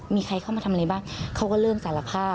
มีใครเข้ามาทำอะไรบ้างเขาก็เริ่มสารภาพ